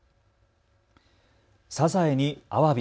サザエにアワビ。